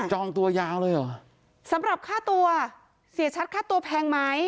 จองตัวยาวเลยเหรอสำหรับค่าตัวเสียชัดค่าตัวแพงไหม